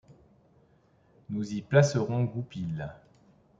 Nous y placerons Goupil.